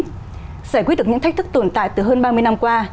giải quyết được những thách thức tồn tại từ hơn ba mươi năm qua